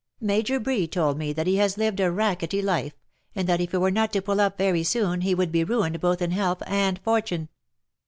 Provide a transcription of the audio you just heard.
*' Major Bree told me he has lived a racketty life, and that if he were not to pull up very soon he would be ruined both in health and fortune."